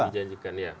yang dijanjikan ya